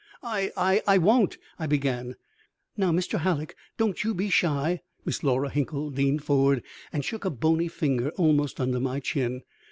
"I I won't " I began. "Now, Mr. Hallock, don't you be shy." Miss Laura Hinkle leaned forward and shook a bony finger almost under my chin.